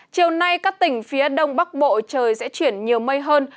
chiều nay các tỉnh phía đông bắc bộ trời sẽ chuyển nhiều mây hơn